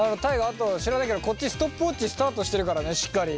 あと知らないけどこっちストップウォッチスタートしてるからねしっかり。